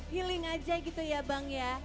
healing aja gitu ya bang ya